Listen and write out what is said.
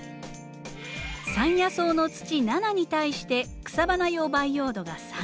山野草の土７に対して草花用培養土が３。